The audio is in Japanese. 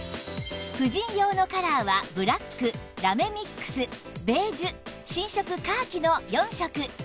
婦人用のカラーはブラックラメミックスベージュ新色カーキの４色